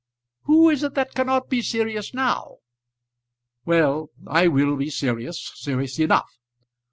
"Who is it that cannot be serious, now?" "Well, I will be serious serious enough.